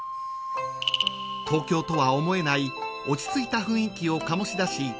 ［東京とは思えない落ち着いた雰囲気を醸し出し